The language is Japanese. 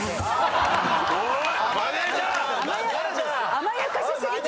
甘やかし過ぎてる。